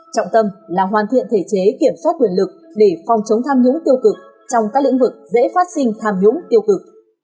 trọng tâm là hoàn thiện thể chế kiểm soát quyền lực để phòng chống tham nhũng tiêu cực trong các lĩnh vực dễ phát sinh tham nhũng tiêu cực